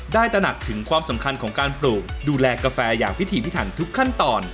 ตระหนักถึงความสำคัญของการปลูกดูแลกาแฟอย่างพิธีพิถันทุกขั้นตอน